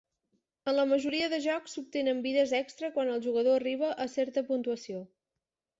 En la majoria de jocs s'obtenen vides extra quan el jugador arriba a certa puntuació.